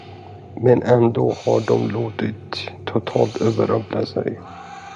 Men ändå har de låtit totalt överrumpla sig.